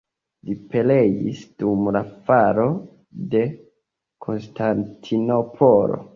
Li pereis dum la falo de Konstantinopolo.